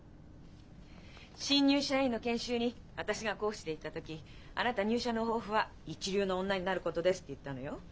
新入社員の研修に私が講師で行った時あなた入社の抱負は一流の女になることですって言ったのよ。